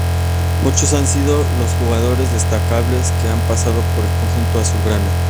Muchos han sido los jugadores destacables que han pasado por el conjunto azulgrana.